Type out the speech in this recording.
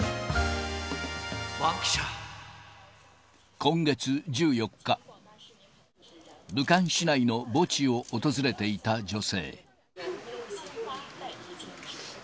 今月１４日、武漢市内の墓地を訪れていた女性。